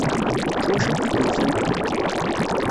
S wacu i k-id-wtent?